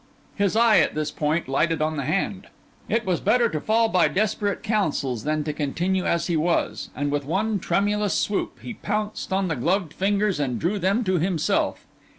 His eye, at this point, lighted on the hand. It was better to fall by desperate councils than to continue as he was; and with one tremulous swoop he pounced on the gloved fingers and drew them to himself.